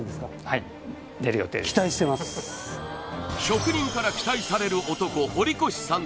はい職人から期待される男堀越さん